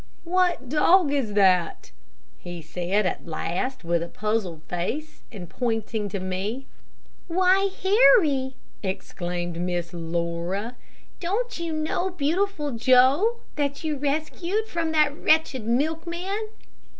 "What dog is that?" he said at last, with a puzzled face, and pointing to me. "Why, Harry," exclaimed Miss Laura, "don't you know Beautiful Joe, that you rescued from that wretched milkman?"